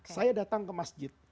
saya datang ke masjid